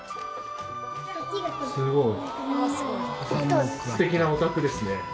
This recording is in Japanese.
すごい。